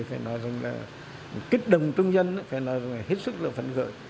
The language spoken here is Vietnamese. phải nói rằng là kích động trung dân phải nói rằng là hết sức là phấn khởi